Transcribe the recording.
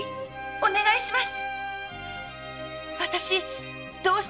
お願いします！